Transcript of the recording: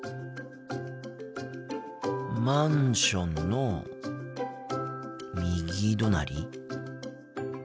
マンションの右隣？